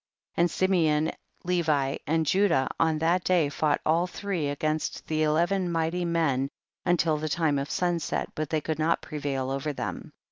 44. And Simeon, Levi and Judah on that day fought all three against the eleven mighty men until the time of sunset, but they could not prevail over them.